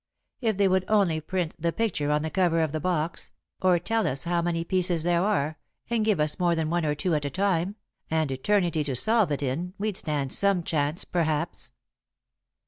If they would only print the picture on the cover of the box, or tell us how many pieces there are, and give us more than one or two at a time, and eternity to solve it in, we'd stand some chance, perhaps."